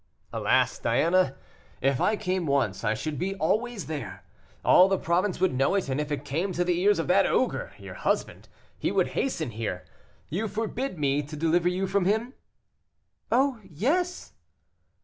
"Alas, Diana, if I came once, I should be always there; all the province would know it, and if it came to the ears of that ogre, your husband, he would hasten here. You forbid me to deliver you from him " "Oh, yes!"